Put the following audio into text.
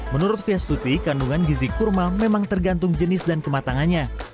menurut fiestuti kandungan gizi kurma memang tergantung jenis dan kematangannya